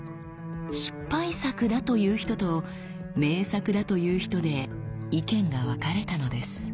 失敗作だという人と名作だという人で意見が分かれたのです。